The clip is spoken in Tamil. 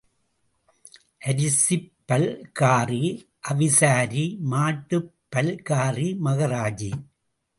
அரிசிப் பல்காரி அவிசாரி, மாட்டுப் பல்காரி மகராஜி.